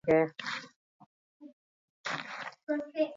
Arabako Arma Museoaren jatorria izan zen hori.